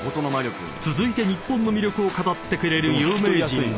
［続いて日本の魅力を語ってくれる有名人は］